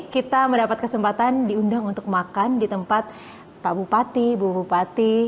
kita mendapat kesempatan diundang untuk makan di tempat pak bupati bu bupati